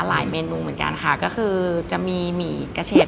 หลายเมนูเหมือนกันค่ะก็คือจะมีหมี่กระเชษ